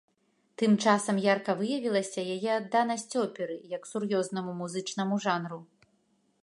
Тым часам ярка выявілася яе адданасць оперы як сур'ёзнаму музычнаму жанру.